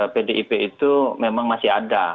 pdip itu memang masih ada